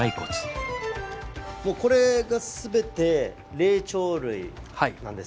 これが全て霊長類なんですね？